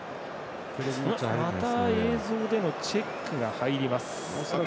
また映像でのチェックが入ります。